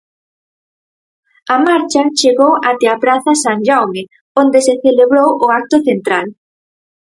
A marcha chegou até a praza Sant Jaume onde se celebrou o acto central.